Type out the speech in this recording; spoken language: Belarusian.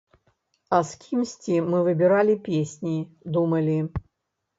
А з кімсьці мы выбіралі песні, думалі.